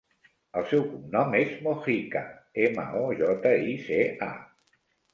El seu cognom és Mojica: ema, o, jota, i, ce, a.